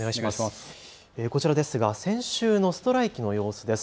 こちらですが先週のストライキの様子です。